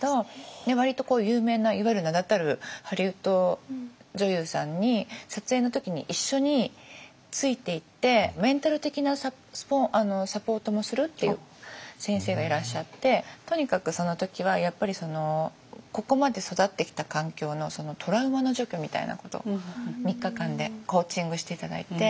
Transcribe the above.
割と有名ないわゆる名だたるハリウッド女優さんに撮影の時に一緒についていってメンタル的なサポートもするっていう先生がいらっしゃってとにかくその時はやっぱりここまで育ってきた環境のトラウマの除去みたいなこと３日間でコーチングして頂いて。